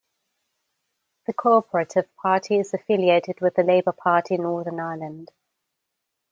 The Co-operative party is affiliated with the Labour Party in Northern Ireland.